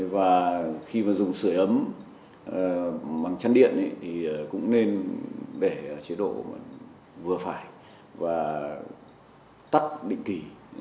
và khi mà dùng sửa ấm bằng chân điện thì cũng nên để chế độ vừa phải và tắt định kỳ